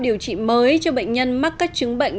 điều trị mới cho bệnh nhân mắc các chứng bệnh